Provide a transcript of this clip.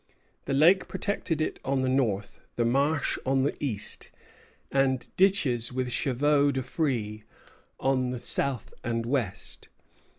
The lake protected it on the north, the marsh on the east, and ditches with chevaux de frise on the south and west.